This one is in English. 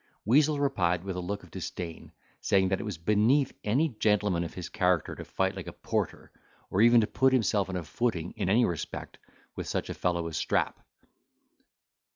Weazel replied with a look of disdain, that it was beneath any gentleman of his character to fight like a porter, or even to put himself on a footing, in any respect, with such a fellow as Strap.